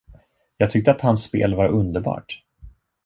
Jag tyckte att hans spel var underbart.